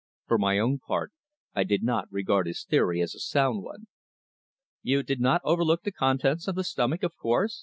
For my own part I did not regard his theory as a sound one. "You did not overlook the contents of the stomach, of course?"